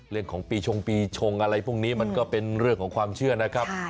เรื่องของปีชงปีชงอะไรพวกนี้มันก็เป็นเรื่องของความเชื่อนะครับ